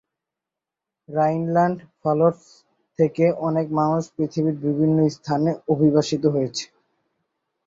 Rheinland-Pfalz থেকে অনেক মানুষ পৃথিবীড় বিভিন্ন স্থানে অভিবাসিত হয়েছে।